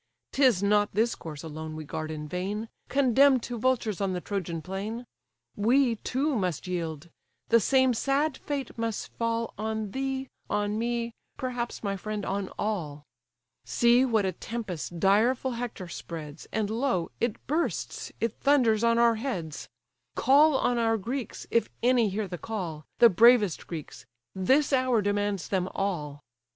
'Tis not this corse alone we guard in vain, Condemn'd to vultures on the Trojan plain; We too must yield: the same sad fate must fall On thee, on me, perhaps, my friend, on all. See what a tempest direful Hector spreads, And lo! it bursts, it thunders on our heads! Call on our Greeks, if any hear the call, The bravest Greeks: this hour demands them all."